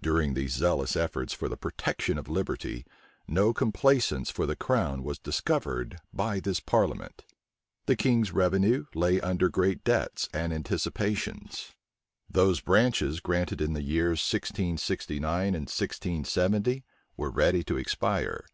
During these zealous efforts for the protection of liberty no complaisance for the crown was discovered by this parliament. The king's revenue lay under great debts and anticipations: those branches granted in the years 1669 and 1670 were ready to expire.